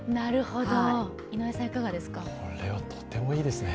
これはとてもいいですね。